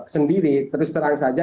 sendiri terus terang saja